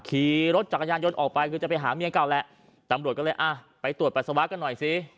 ขี่รถจักรยานยนต์ออกไปคือจะไปหาเมียเก่าแหละตำรวจก็เลยอ่ะไปตรวจปัสสาวะกันหน่อยสิ